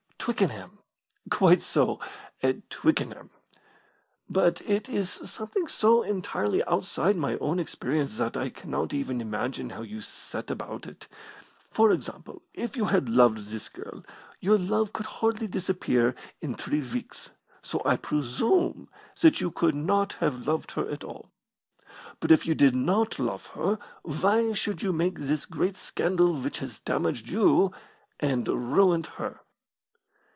"Twickenham." "Quite so at Twickenham. But it is something so entirely outside my own experience that I cannot even imagine how you set about it. For example, if you had loved this girl your love could hardly disappear in three weeks, so I presume that you could not have loved her at all. But if you did not love her why should you make this great scandal which has damaged you and ruined her?"